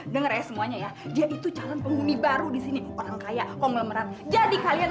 denger ya semuanya ya dia itu calon penghuni baru disini orang kaya konglomerat jadi kalian